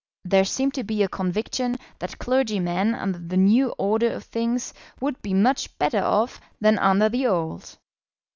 There seemed to be a conviction that clergymen under the new order of things would be much better off than under the old.